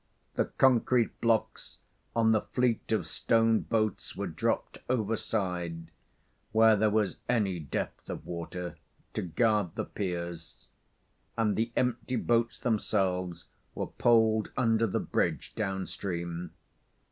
The concrete blocks on the fleet of stone boats were dropped overside, where there was any depth of water, to guard the piers, and the empty boats themselves were poled under the bridge down stream.